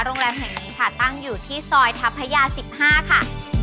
โรงแรมแห่งนี้ค่ะตั้งอยู่ที่ซอยทัพยา๑๕ค่ะ